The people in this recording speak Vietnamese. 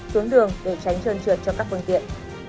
xuống đường để tránh trơn trượt cho các phương tiện